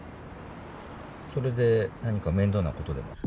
それで何か面倒なことでも？